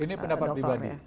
ini pendapat pribadi